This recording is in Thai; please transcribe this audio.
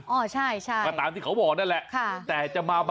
มาตามที่เขาบอกนั่นแหละ